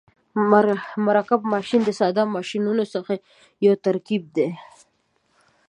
مرکب ماشین د ساده ماشینونو څخه یو ترکیب دی.